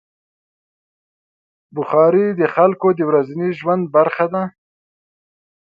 بخاري د خلکو د ورځني ژوند برخه ده.